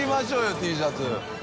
Ｔシャツ。